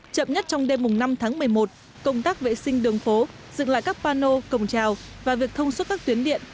chậm nhất trong đêm năm tháng một mươi một công tác vệ sinh đường phố dừng lại các pano cổng trào và việc thông suốt các tuyến điện